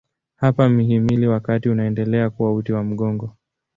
Hapa mhimili wa kati unaendelea kuwa uti wa mgongo.